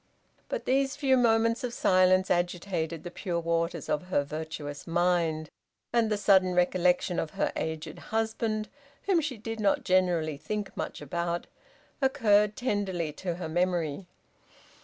But these few moments of silence agitated the pure waters of her virtuous mind, and the sudden recollection of her aged husband, whom she did not generally think much about, occurred tenderly to her memory.